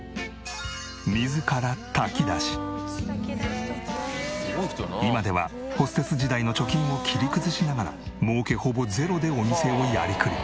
自ら今ではホステス時代の貯金を切り崩しながら儲けほぼゼロでお店をやりくり。